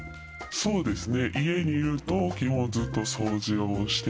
そうですね。